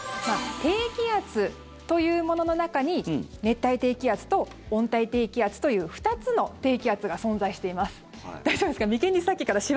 低気圧というものの中に熱帯低気圧と温帯低気圧という２つの低気圧が存在しています。